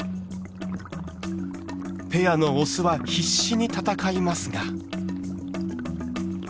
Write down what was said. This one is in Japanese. ペアのオスは必死に戦いますが。